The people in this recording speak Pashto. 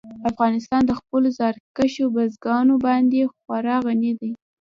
افغانستان په خپلو زیارکښو بزګانو باندې خورا غني دی.